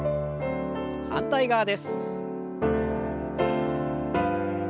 反対側です。